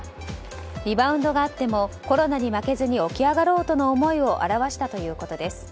リバウンドがあってもコロナに負けず起き上がろうとの思いを表したとのことです。